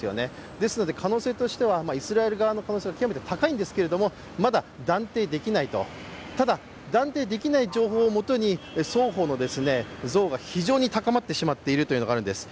ですので可能性としてはイスラエル側の可能性が極めて高いんですけども、まだ断定できないと、ただ、断定できない情報をもとに双方の憎悪が非常に高まってしまっているというのがあるんです。